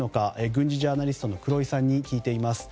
軍事ジャーナリストの黒井さんに聞いています。